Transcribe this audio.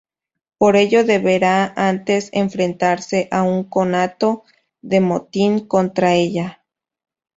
Por ello deberá antes enfrentarse a un conato de motín contra ella.